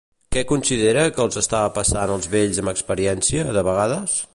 Què considera que els passava als vells amb experiència, de vegades?